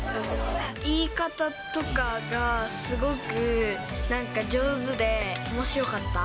言い方とかがすごくなんか上手でおもしろかった。